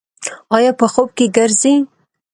ایا په خوب کې ګرځئ؟